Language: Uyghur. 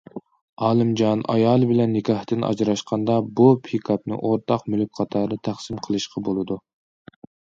ئالىمجان ئايالى بىلەن نىكاھتىن ئاجراشقاندا بۇ پىكاپنى ئورتاق مۈلۈك قاتارىدا تەقسىم قىلىشقا بولىدۇ.